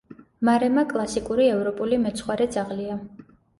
მარემა კლასიკური ევროპული მეცხვარე ძაღლია.